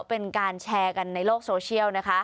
เป็นการแชร์กันในโลกโซเชียลนะคะ